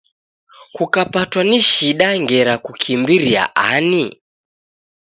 Kukapatwa ni shida ngera kukimbiria ani